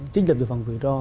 chính lập được phòng quỷ ro